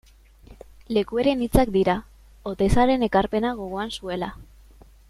Lekueren hitzak dira, Oteizaren ekarpena gogoan zuela.